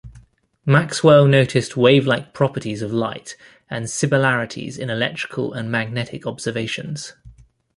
Maxwell noticed wavelike properties of light and similarities in electrical and magnetic observations.